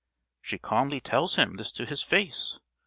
"She calmly tells him this to his face!